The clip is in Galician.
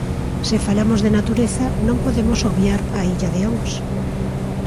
Se falamos de natureza, non podemos obviar a Illa de Ons.